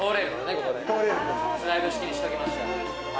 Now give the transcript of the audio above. スライド式にしておきました。